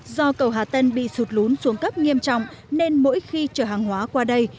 do cầu hà tên bị sụt lún xuống cấp nghiêm trọng nên mỗi khi chở hàng hóa qua đây